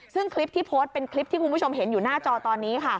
ซึ่งคลิปที่โพสต์เป็นคลิปที่คุณผู้ชมเห็นอยู่หน้าจอตอนนี้ค่ะ